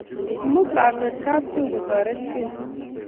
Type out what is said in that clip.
Imut lakwet kapchoo kutoret gei